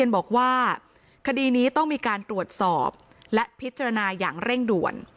บอกว่าคดีนี้ต้องมีการตรวจสอบและพิจารณาอย่างเร่งด่วน